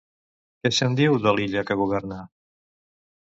Què se'n diu de l'illa que governa?